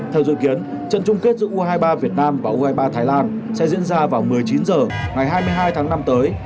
theo dự kiến trận chung kết giữa u hai mươi ba việt nam và u hai mươi ba thái lan sẽ diễn ra vào một mươi chín h ngày hai mươi hai tháng năm tới